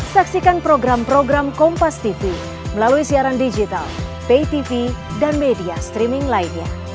saksikan program program kompas tv melalui siaran digital pay tv dan media streaming lainnya